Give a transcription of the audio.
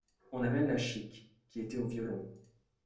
On amène La Chique, qui était au violon.